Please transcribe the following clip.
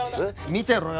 見てろよ？